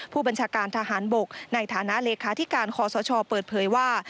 ผู้บัญชาการทหารบกในฐานะเลขาธิการคอสชเปิดเผยว่า